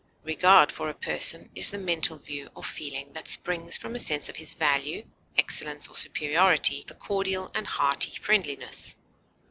Regard for a person is the mental view or feeling that springs from a sense of his value, excellence, or superiority, with a cordial and hearty friendliness.